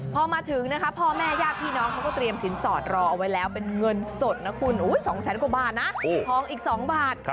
พอมาถึงนะคะพ่อแม่ญาติพี่น้องเขาก็เตรียมสินสอดรอเอาไว้แล้วเป็นเงินสดนะคุณ๒แสนกว่าบาทนะทองอีก๒บาท